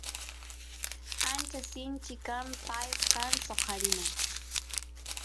ancha sinchi kan pay kan soqarina